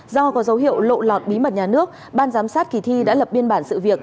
do có dấu hiệu lộ lọt bí mật nhà nước ban giám sát kỳ thi đã lập biên bản sự việc